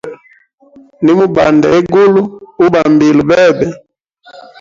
Nimubanda egulu, ubambila bebe.